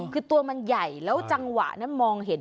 คือตัวมันใหญ่แล้วจังหวะนั้นมองเห็น